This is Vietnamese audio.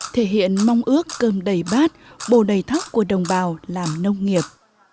thể hiện mong ước cơm đầy bát bồ đầy thóc của đồng bào làm nông nghiệp